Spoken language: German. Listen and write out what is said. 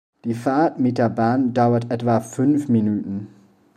Die Fahrt mit der Bahn dauert etwa fünf Minuten.